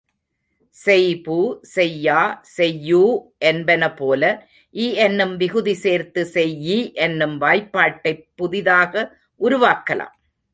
செய்பு, செய்யா, செய்யூ என்பன போல, இ என்னும் விகுதி சேர்த்து செய்யி என்னும் வாய்ப்பாட்டைப் புதிதாக உருவாக்கலாம்.